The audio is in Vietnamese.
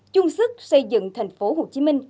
chung sức xây dựng thành phố hồ chí minh